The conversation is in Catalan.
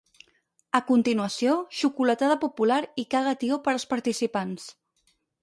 A continuació, xocolatada popular i caga tió per als participants.